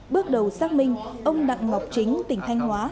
bước đầu xác minh ông đặng ngọc chính tỉnh thanh hóa